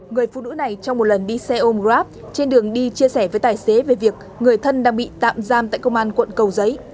người phụ nữ này trong một lần đi xe ôm grab trên đường đi chia sẻ với tài xế về việc người thân đang bị tạm giam tại công an quận cầu giấy